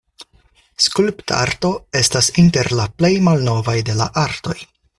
Skulptarto estas inter la plej malnovaj de la artoj.